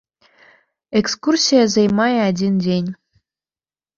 Экскурсія займае адзін дзень.